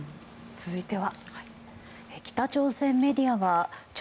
続いては。